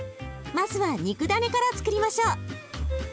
まずは肉だねからつくりましょう。